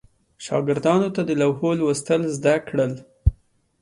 شاګردانو ته د لوحو لوستل زده کړل.